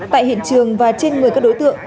tại hiện trường và trên người các đối tượng